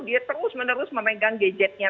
dia terus menerus memegang gadgetnya